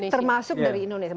termasuk dari indonesia